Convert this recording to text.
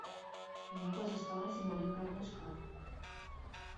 У яго засталася маленькая дачка.